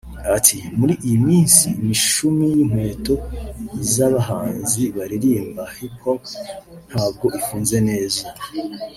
Ati “ Muri iyi minsi imishumi y’inkweto z’abahanzi baririmba Hip Hop ntabwo ifunze neza